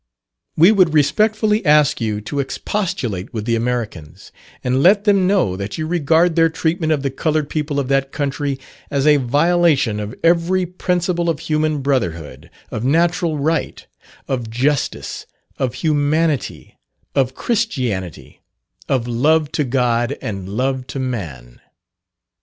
We would respectfully ask you to expostulate with the Americans, and let them know that you regard their treatment of the coloured people of that country as a violation of every principle of human brotherhood, of natural right, of justice, of humanity, of Christianity, of love to God and love to man.